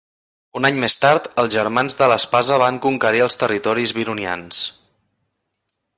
Un any més tard, els Germans de l'Espasa van conquerir els territoris vironians.